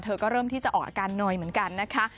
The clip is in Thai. ก็เริ่มที่จะออกอาการหน่อยเหมือนกันนะคะ